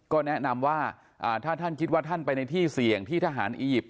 ก็แนะนำว่าถ้าท่านคิดว่าท่านไปในที่เสี่ยงที่ทหารอียิปต์